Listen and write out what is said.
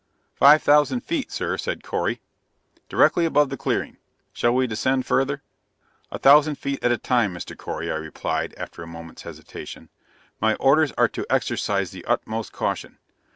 "Five thousand feet, sir," said Correy. "Directly above the clearing. Shall we descend further?" "A thousand feet at a time, Mr. Correy," I replied, after a moment's hesitation. "My orders are to exercise the utmost caution.